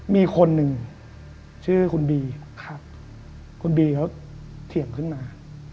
มีคนหนึ่งชื่อคุณบีคุณบีเขาเถียงขึ้นมา